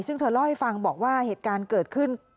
ซึ่งเธอเล่าให้ฟังบอกว่าเหตุการณ์เกิดขึ้น